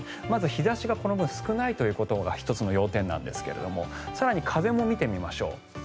まず日差しがこの分少ないということが１つの要点なんですが更に風も見てみましょう。